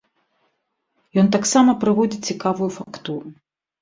Ён таксама прыводзіць цікавую фактуру.